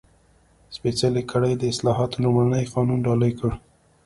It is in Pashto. سپېڅلې کړۍ د اصلاحاتو لومړنی قانون ډالۍ کړ.